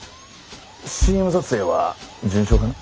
ＣＭ撮影は順調かな？